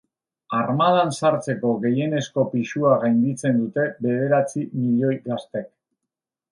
Armadan sartzeko gehienezko pisua gainditzen dute bederatzi milioi gaztek.